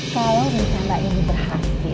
kalau rencana ini berhasil